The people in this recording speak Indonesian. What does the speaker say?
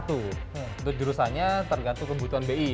untuk jurusannya tergantung kebutuhan bi